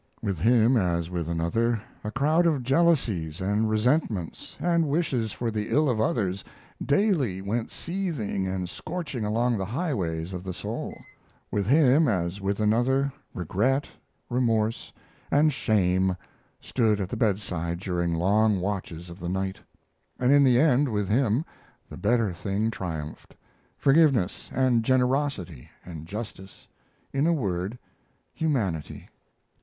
With him, as with another, a crowd of jealousies and resentments, and wishes for the ill of others, daily went seething and scorching along the highways of the soul. With him, as with another, regret, remorse, and shame stood at the bedside during long watches of the night; and in the end, with him, the better thing triumphed forgiveness and generosity and justice in a word, Humanity.